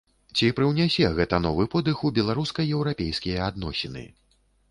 Ці прыўнясе гэта новы подых у беларуска-еўрапейскія адносіны?